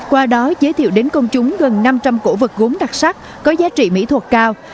qua đó giới thiệu đến công chúng gần năm trăm linh cổ vật gốm đặc sắc có giá trị mỹ thuật cao